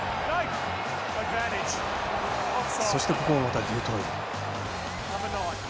そして、ここもまたデュトイ。